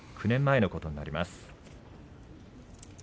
９年前のことになります。